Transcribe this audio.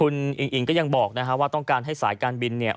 คุณอิงอิงก็ยังบอกนะฮะว่าต้องการให้สายการบินเนี่ย